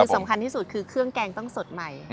สำคัญที่สุดคือเครื่องแกงต้องสดใหม่